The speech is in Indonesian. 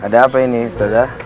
ada apa ini ustadzah